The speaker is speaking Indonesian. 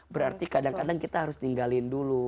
berarti kadang kadang kita harus tinggalin dulu